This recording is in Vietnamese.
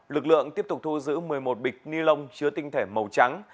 lực lượng tiếp tục thu giữ một mươi một bịch ni lông chứa tinh thể màu trắng